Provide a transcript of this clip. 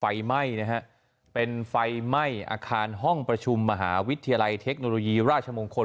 ไฟไหม้นะฮะเป็นไฟไหม้อาคารห้องประชุมมหาวิทยาลัยเทคโนโลยีราชมงคล